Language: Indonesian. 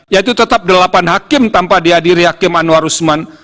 yaitu tetap delapan hakim tanpa dihadiri hakim anwar usman